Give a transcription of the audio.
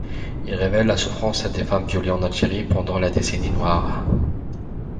Il révèle la souffrance des femmes violées en Algérie pendant la décennie noire.